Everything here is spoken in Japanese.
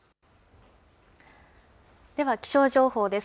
では気象情報です。